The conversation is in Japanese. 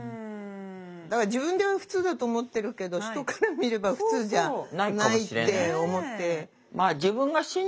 だから自分では普通だと思ってるけど人から見れば普通じゃないって思って。